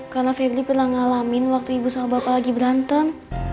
karena feblik pernah ngalamin waktu ibu sama bapak lagi berantem